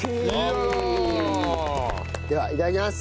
ではいただきます。